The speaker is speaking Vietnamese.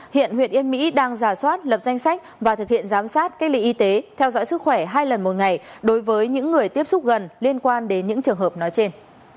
hiện huyện yên mỹ đang giả soát lập danh sách và thực hiện giám sát cách ly y tế theo dõi sức khỏe hai lần một ngày đối với những người tiếp xúc gần liên quan đến những trường hợp nói trên